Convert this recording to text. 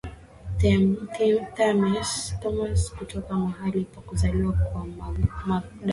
Thames kutoka mahali pa kuzaliwa kwa Magna